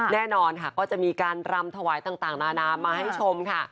แน่นอนค่ะก็จะมีการรำถวายต่างนานามาให้ชมค่ะ